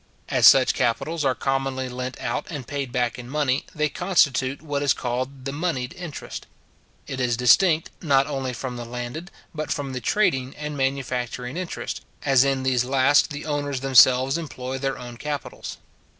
As such capitals are commonly lent out and paid back in money, they constitute what is called the monied interest. It is distinct, not only from the landed, but from the trading and manufacturing interests, as in these last the owners themselves employ their own capitals.